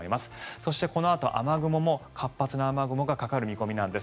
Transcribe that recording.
そして、このあと雨雲も活発な雨雲がかかる見込みなんです。